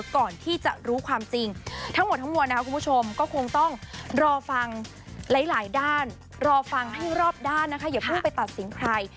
ก่อนที่จะรู้ความจริง